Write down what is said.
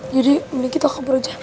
jadi mending kita kabur aja